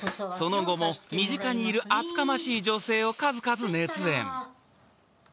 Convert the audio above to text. ［その後も身近にいる厚かましい女性を数々熱演］